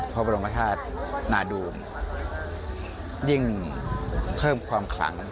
พระบรมธาตุนาดูมยิ่งเพิ่มความขลัง